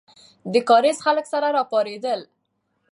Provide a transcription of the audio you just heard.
د کارېز خلک سره راپارېدل.